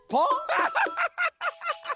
アハハハハハハハ！